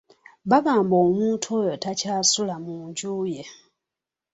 Bagamba omuntu oyo takyasula mu nju ye.